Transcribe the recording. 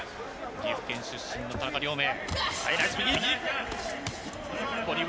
岐阜県出身の田中亮明、ナイス右。